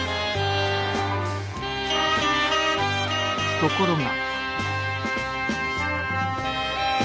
ところが。